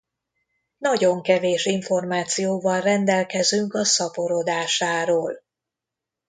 Nagyon kevés információval rendelkezünk a szaporodásáról.